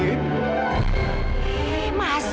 masa sih ma malah cuma mie